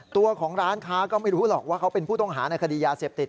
ตัวของร้านค้าก็ไม่รู้หรอกว่าเขาเป็นผู้ต้องหาในคดียาเสพติด